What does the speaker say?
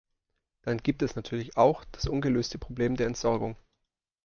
Dann gibt es natürlich auch das ungelöste Problem der Entsorgung.